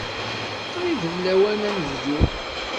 Qrib d lawan ad nebdu.